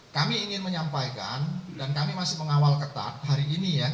kami ingin menyampaikan dan kami masih mengawal ketat hari ini ya